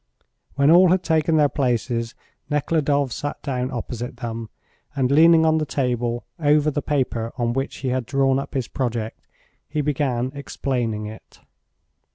When all had taken their places Nekhludoff sat down opposite them, and leaning on the table over the paper on which he had drawn up his project, he began explaining it.